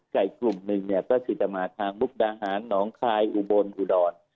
ใกล้กลุ่มหนึ่งก็คือจะมากลงทางบุฒาหารหนองคลายอุบลอุดร